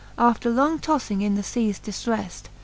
After long toffing in the feas diftreft.